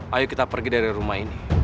ayo kita pergi dari rumah ini